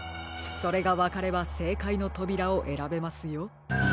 それがわかればせいかいのとびらをえらべますよ。